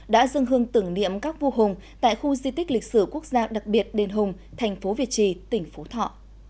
đã dâng hương tưởng niệm các vua hùng tại khu di tích lịch sử quốc gia đặc biệt đền hùng thành phố việt trì tỉnh phú thọ